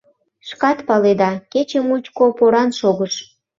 Шкат паледа, кече мучко поран шогыш.